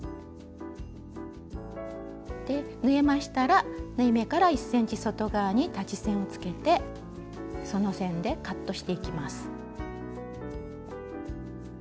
縫えましたら縫い目から１ｃｍ外側に裁ち線をつけてその線でカットしていきます。